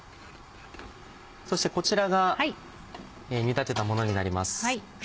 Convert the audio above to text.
そしてこちらが煮立てたものになります。